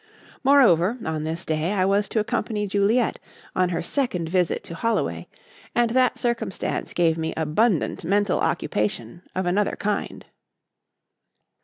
Moreover, on this day, I was to accompany Juliet on her second visit to Holloway, and that circumstance gave me abundant mental occupation of another kind.